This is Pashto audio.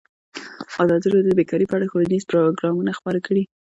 ازادي راډیو د بیکاري په اړه ښوونیز پروګرامونه خپاره کړي.